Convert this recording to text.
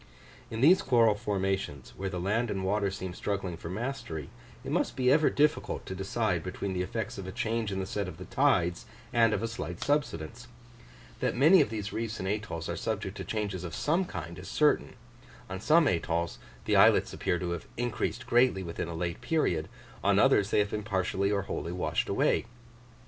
In these coral formations, where the land and water seem struggling for mastery, it must be ever difficult to decide between the effects of a change in the set of the tides and of a slight subsidence: that many of these reefs and atolls are subject to changes of some kind is certain; on some atolls the islets appear to have increased greatly within a late period; on others they have been partially or wholly washed away.